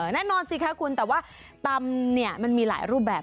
แน่นอนสิคะคุณแต่ว่าตำเนี่ยมันมีหลายรูปแบบ